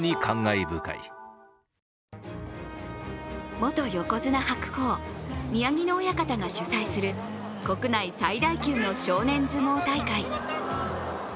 元横綱白鵬・宮城野親方が主催する国内最大級の少年相撲大会。